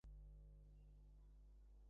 আমি মিস লুইসের সাথে আছি।